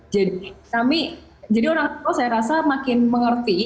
jadi kami jadi orang tua saya rasa makin mengerti